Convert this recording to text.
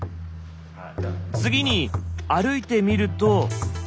次に歩いてみると。